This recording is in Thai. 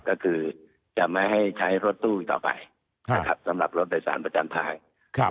ก็คือจะไม่ให้ใช้รถตู้อีกต่อไปนะครับสำหรับรถโดยสารประจำทาง